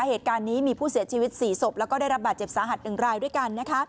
เหตุการณ์นี้มีผู้เสียชีวิต๔ศพแล้วก็ได้รับบาดเจ็บสาหัส๑รายด้วยกันนะคะ